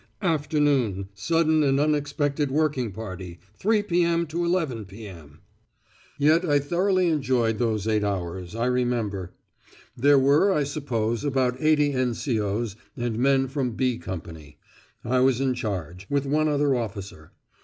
Afternoon. SUDDEN AND UNEXPECTED WORKING PARTY. 3.0 p.m. 11.0 p.m.!! Yet I thoroughly enjoyed those eight hours, I remember. There were, I suppose, about eighty N.C.O.'s and men from "B" Company. I was in charge, with one other officer.